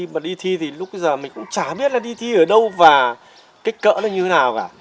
mà đi thi thì lúc bây giờ mình cũng chả biết là đi thi ở đâu và kích cỡ nó như thế nào cả